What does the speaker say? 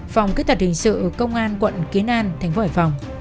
phòng kết thật hình sự công an quận kế nam tp hcm